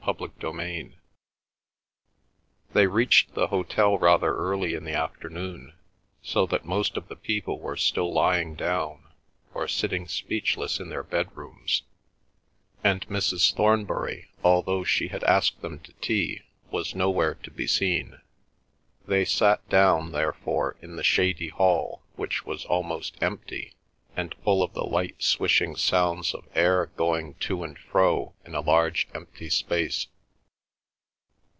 CHAPTER XXIV They reached the hotel rather early in the afternoon, so that most people were still lying down, or sitting speechless in their bedrooms, and Mrs. Thornbury, although she had asked them to tea, was nowhere to be seen. They sat down, therefore, in the shady hall, which was almost empty, and full of the light swishing sounds of air going to and fro in a large empty space.